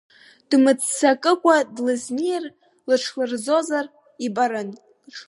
Дмыццакыкәа длызнеир, лыҽлырзозар ибарын.